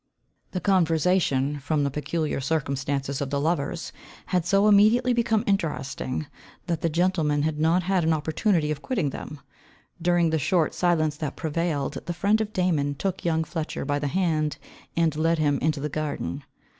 The conversation, from the peculiar circumstances of the lovers, had so immediately become interesting, that the gentlemen had not had an opportunity of quitting them. During the short silence that prevailed the friend of Damon took young Fletcher by the hand, and led him into the garden.